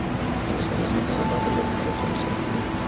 صاحب منصبان د برید لپاره چمتو دي.